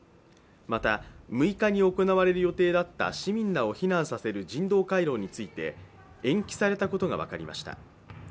また、６日に行われる予定だった市民らを避難させる人道回廊について延期されたことが分かりました。